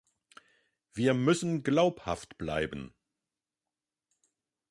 Wir müssen glaubhaft bleiben.